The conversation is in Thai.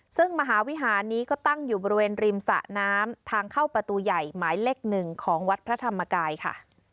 ซึ่งมหาวิหารนี้ก็ตั้งอยู่บริเวณริมสะน้ำทางเข้าประตูใหญ่หมายเลข๑ของวัดพระธรรมกายค่ะ